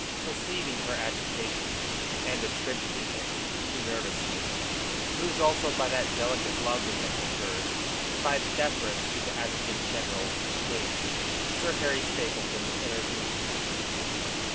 Perceiving her agitation, and attributing it to nervousness, moved also by that delicate loveliness of hers, and by deference to the adjutant generates lady, Sir Harry Stapleton intervened.